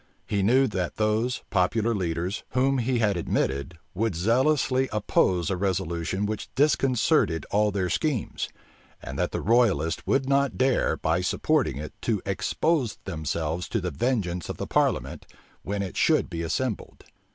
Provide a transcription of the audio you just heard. He knew that those, popular leaders, whom he had admitted, would zealously oppose a resolution which disconcerted all their schemes; and that the royalists would not dare, by supporting it, to expose themselves to the vengeance of the parliament, when it should be assembled.